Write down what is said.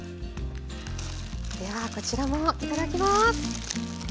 ではこちらもいただきます。